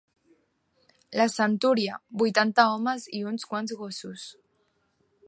La centúria, vuitanta homes i uns quants gossos